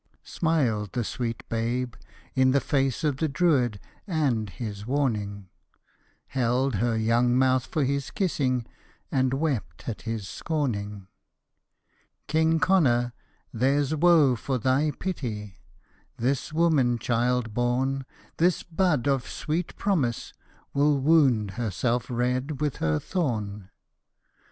Smiled the sweet babe in the face of the Druid and his warning. Held her young mouth for his kissing, and wept at his scorning. ' King Connor, there 's woe for thy pity, this woman child born, This bud of sweet promise, will wound herself red with her thorn.